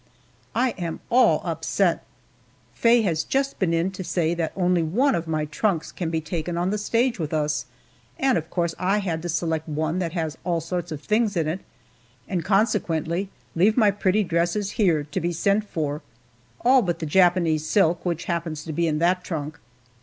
I am all upset! Faye has just been in to say that only one of my trunks can be taken on the stage with us, and of course I had to select one that has all sorts of things in it, and consequently leave my pretty dresses here, to be sent for all but the Japanese silk which happens to be in that trunk.